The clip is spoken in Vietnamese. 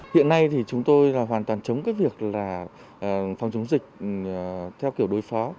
hiện nay thì chúng tôi là hoàn toàn chống cái việc là phòng chống dịch theo kiểu đối phó